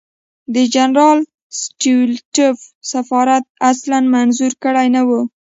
د جنرال سټولیتوف سفارت اصلاً منظور کړی نه وو.